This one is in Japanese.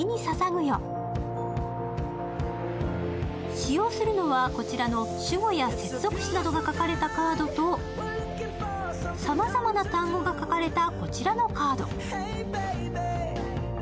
使用するのはこちらの主語や接続詞などが書かれたカードと、さまざまな単語が書かれたこちらのカード。